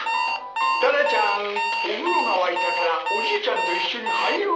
タラちゃんお風呂が沸いたからおじいちゃんと一緒に入ろう。